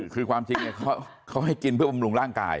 คือความจริงเขาให้กินเพื่อบำรุงร่างกาย